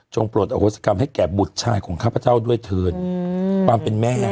โปรดอโหศกรรมให้แก่บุตรชายของข้าพเจ้าด้วยเถินความเป็นแม่